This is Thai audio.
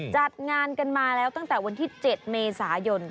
จัดงานกันมาแล้วตั้งแต่วันที่๗เมษายน